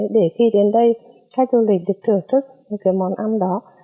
để khi đến đây khách du lịch được thưởng thức món ăn đó